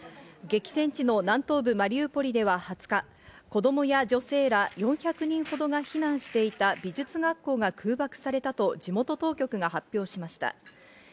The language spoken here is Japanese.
激戦地の南東部マリウポリでは２０日、子供や女性ら４００人ほどが避難していた美術学校が空爆されたと地元当局が発表しました。